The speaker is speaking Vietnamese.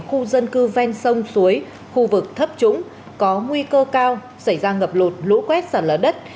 khu dân cư ven sông suối khu vực thấp trũng có nguy cơ cao xảy ra ngập lụt lũ quét sạt lở đất